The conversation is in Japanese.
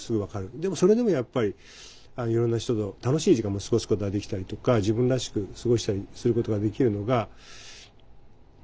でもそれでもやっぱりいろんな人と楽しい時間も過ごすことができたりとか自分らしく過ごしたりすることができるのが許せないのかもね。